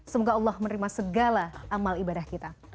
semoga allah menerima segala amal ibadah kita